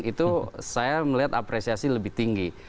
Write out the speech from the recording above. itu saya melihat apresiasi lebih tinggi